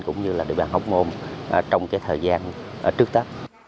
cũng như địa bàn hốc môn trong thời gian trước đó